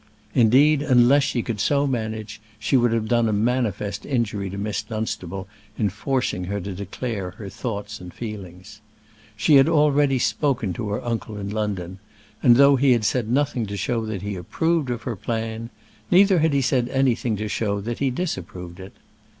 Indeed, unless she could so manage, she would have done a manifest injury to Miss Dunstable in forcing her to declare her thoughts and feelings. She had already spoken to her uncle in London, and though he had said nothing to show that he approved of her plan, neither had he said anything to show that he disapproved it.